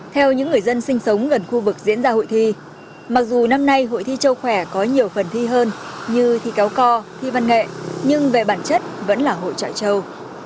theo những người dân sinh sống gần khu vực diễn ra hội thi mặc dù năm nay hội thi châu khỏe có nhiều phần thi hơn như thi kéo co thi văn nghệ nhưng về bản chất vẫn là hội trại châu